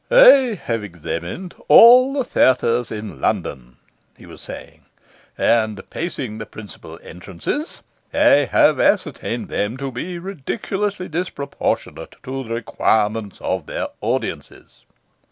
'I have examined all the theatres in London,' he was saying; 'and pacing the principal entrances, I have ascertained them to be ridiculously disproportionate to the requirements of their audiences.